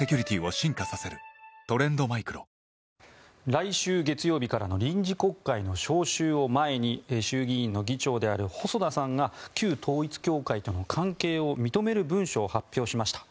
来週月曜日からの臨時国会の召集を前に衆議院の議長である細田さんが旧統一教会との関係を認める文書を発表しました。